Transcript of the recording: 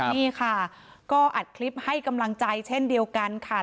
นี่ค่ะก็อัดคลิปให้กำลังใจเช่นเดียวกันค่ะ